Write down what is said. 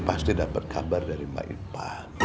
pasti dapet kabar dari maipa